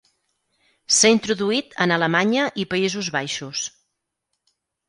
S'ha introduït en Alemanya i Països Baixos.